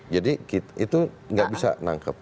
jadi itu tidak bisa nangkep